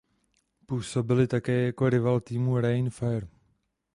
Působili také jako rival týmu Rhein Fire.